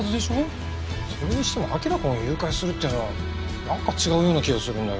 それにしても輝くんを誘拐するっていうのはなんか違うような気がするんだけどな。